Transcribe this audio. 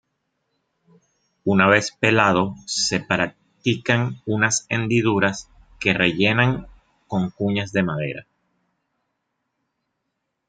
Una vez pelado se le practican unas hendiduras que rellenan con cuñas de madera.